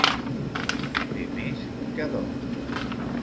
Fer més que d'home.